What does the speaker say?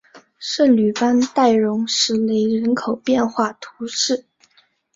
圣吕班代容什雷人口变化图示